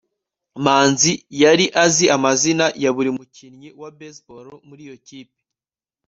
manzi yari azi amazina ya buri mukinnyi wa baseball muri iyo kipe